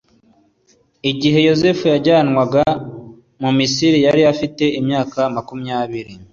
igihe yozefu yajyanwaga mu misiri yari afite imyaka makunyabiri.